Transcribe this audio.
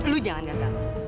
lu jangan gagal